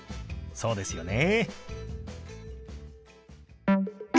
そうですよね。